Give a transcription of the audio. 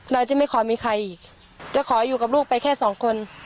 เราจะไม่ขอมีใครอีกจะขออยู่กับลูกไปแค่สองคน